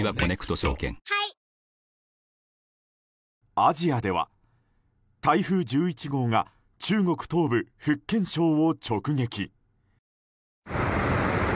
アジアでは台風１１号が中国東部福建省を直撃。